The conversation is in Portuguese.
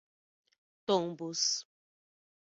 Tombos